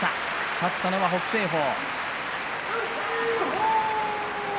勝ったのは北青鵬。